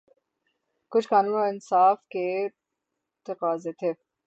کچھ قانون اور انصاف کے تقاضے تھے۔